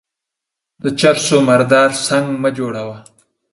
د چر سو مردار سنگ مه جوړوه.